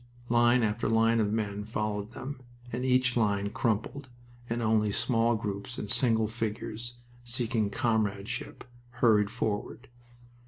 Line after line of men followed them, and each line crumpled, and only small groups and single figures, seeking comradeship, hurried forward.